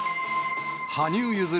羽生結弦